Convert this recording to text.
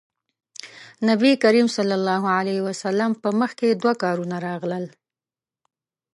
نبي کريم ص په مخکې دوه کارونه راغلل.